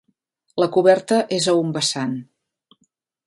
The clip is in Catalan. La coberta és a un vessant.